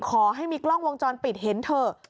ขอให้มีกล้องวงจรปิดเห็นเถอะ